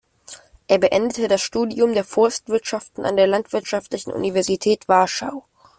Er beendete das Studium der Forstwissenschaften an der Landwirtschaftlichen Universität Warschau.